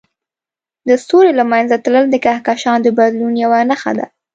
د ستوري له منځه تلل د کهکشان د بدلون یوه نښه ده.